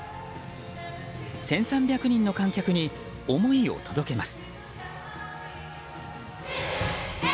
１３００人の観客に思いを届けます。